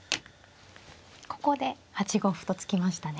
ここで８五歩と突きましたね。